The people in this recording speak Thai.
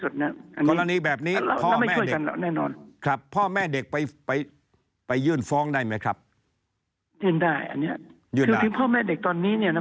เราก็ให้ความเป็นธรรมกับคนไข้